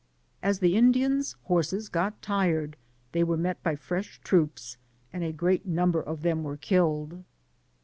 As the Indians^ horses got tired, they were met by fresh troops, and a great number of them were killed.